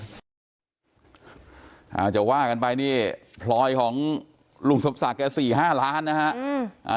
ถ้าจะว่ากันไปนี่พลอยของลุงสมศักดิ์แค่สี่ห้าล้านนะฮะ